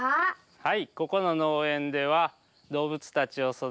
はい。